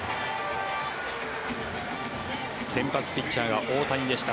先発ピッチャーが大谷でした。